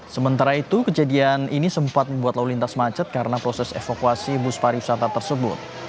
sementara itu kejadian ini sempat membuat lalu lintas macet karena proses evakuasi bus pariwisata tersebut